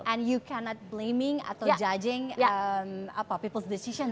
and you cannot blaming atau judging people s decision